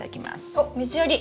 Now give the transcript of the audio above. おっ水やり！